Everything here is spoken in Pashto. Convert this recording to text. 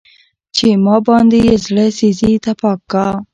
چې ما باندې يې زړه سيزي تپاک کا